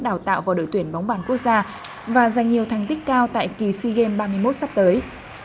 đào tạo vào đội tuyển bóng bàn quốc gia và giành nhiều thành tích cao tại kỳ sea games ba mươi một sắp tới